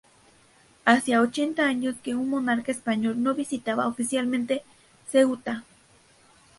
Hacía ochenta años que un monarca español no visitaba oficialmente Ceuta.